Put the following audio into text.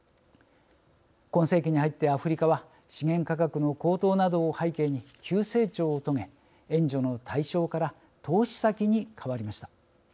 今世紀に入ってアフリカは資源価格の高騰などを背景に急成長を遂げ援助の対象から投資先に変わりました。